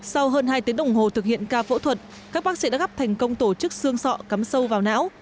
sau hơn hai tiếng đồng hồ thực hiện ca phẫu thuật các bác sĩ đã gắp thành công tổ chức xương sọ cắm sâu vào não